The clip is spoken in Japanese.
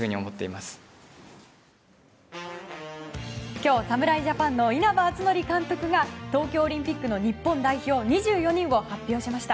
今日、侍ジャパンの稲葉篤紀監督が東京オリンピックの日本代表２４人を発表しました。